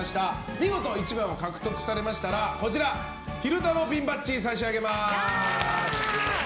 見事１番を獲得されましたら昼太郎ピンバッジを差し上げます。